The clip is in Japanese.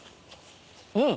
うん。